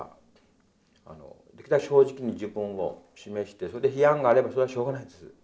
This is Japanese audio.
できるだけ正直に自分を示してそれで批判があればそれはしょうがないです。